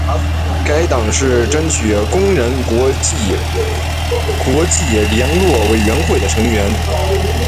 该党是争取工人国际国际联络委员会的成员。